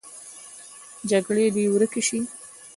جګړې دې ورکې شي